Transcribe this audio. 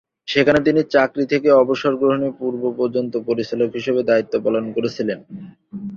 সেখানে তিনি চাকরি থেকে অবসর গ্রহণের পূর্ব পর্যন্ত পরিচালক হিসাবে দায়িত্ব পালন করেছিলেন।